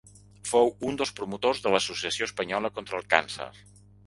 Fou un dels promotors de l'Associació Espanyola contra el Càncer.